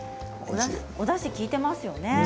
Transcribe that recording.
おだし、利いてますよね。